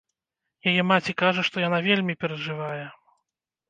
Яе маці кажа, што яна вельмі перажывае.